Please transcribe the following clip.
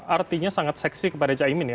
artinya sangat seksi kepada caimin ya